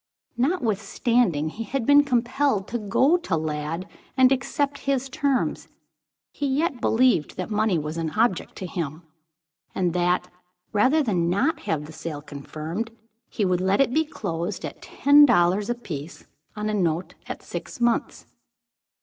Notwithstanding he had been compelled to go to Lladd, and to accept his terms, he yet believed that money was an object to him, and that, rather than not have the sale confirmed, he would let it be closed at ten dollars a piece, on a note at six months.